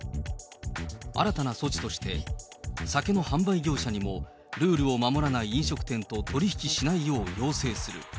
新たな措置として、酒の販売業者にもルールを守らない飲食店と取り引きしないよう要請する。